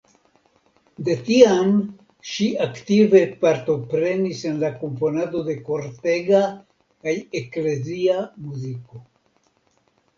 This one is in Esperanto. De tiam ŝi aktive partoprenis en la komponado de kortega kaj eklezia muziko.